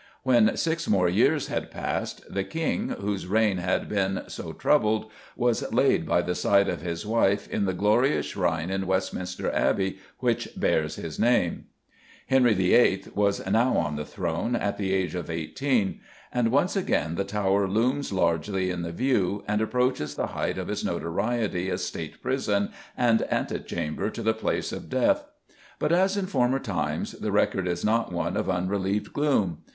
When six more years had passed, the King, whose reign had been so troubled, was laid by the side of his wife, in "the glorious shrine in Westminster Abbey which bears his name." Henry VIII. was now on the throne, at the age of eighteen, and once again the Tower looms largely in the view, and approaches the height of its notoriety as State prison and antechamber to the place of death. But, as in former times, the record is not one of unrelieved gloom.